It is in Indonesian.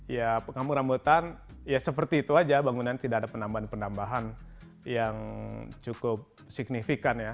ya kampung rambutan ya seperti itu aja bangunan tidak ada penambahan penambahan yang cukup signifikan ya